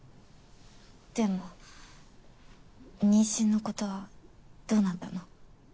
でも妊娠のことどうなったの？